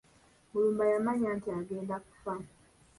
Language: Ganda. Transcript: Mulumba yamanya nti agenda kufa.